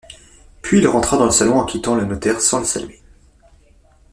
Puis il rentra dans le salon, en quittant le notaire sans le saluer.